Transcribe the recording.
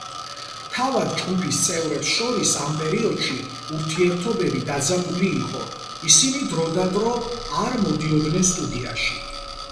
თავად ჯგუფის წევრებს შორის ამ პერიოდში ურთიერთობები დაძაბული იყო, ისინი დროდადრო არ მოდიოდნენ სტუდიაში.